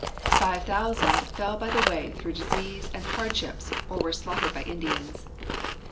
Five thousand fell by the way through disease and hardships or were slaughtered by Indians.